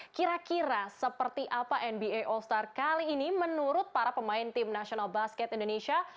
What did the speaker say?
kira kira seperti apa nba all star kali ini menurut para pemain tim nasional basket indonesia